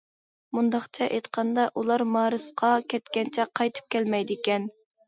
مۇنداقچە ئېيتقاندا، ئۇلار مارسقا كەتكەنچە قايتىپ كەلمەيدىكەن.